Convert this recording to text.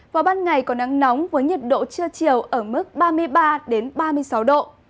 vào ban ngày có nắng nóng với nhiệt độ trưa chiều ở mức ba mươi ba ba mươi sáu độ